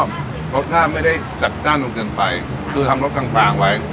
รสชาติไม่ได้จัดด้านนึงเกินไปคือทำรสกังฝากไว้